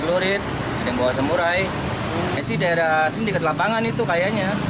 lurit yang bawa semurai masih daerah sindiket lapangan itu kayaknya